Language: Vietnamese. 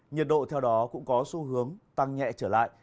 nhiệt độ theo đó cũng có xu hướng tăng nhẹ trở lại